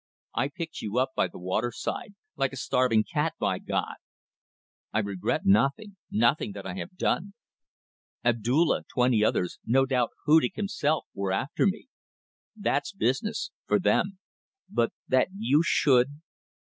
I picked you up by the waterside, like a starving cat by God. I regret nothing; nothing that I have done. Abdulla twenty others no doubt Hudig himself, were after me. That's business for them. But that you should